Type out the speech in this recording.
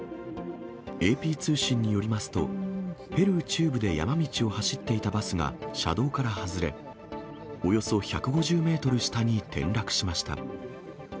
ＡＰ通信によりますと、ペルー中部で山道を走っていたバスが車道から外れ、およそ１５０メートル下に転落しました。